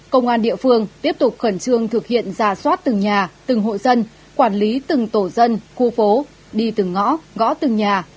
công an địa phương tiếp tục khẩn trương thực hiện giả soát từng nhà từng hộ dân quản lý từng tổ dân khu phố đi từng ngõ gõ từng nhà